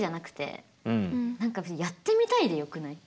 何か「やってみたい」でよくない？